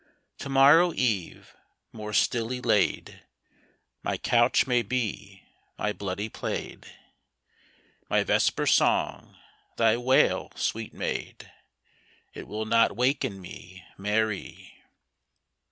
To morrow eve, more stilly laid. My couch may be my bloody plaid, My vesper song, thy wail, sweet maid. It will not waken me, Mary.